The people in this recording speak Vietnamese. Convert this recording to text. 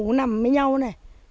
rồi bốn đứa nằm chung nhau một cái đệm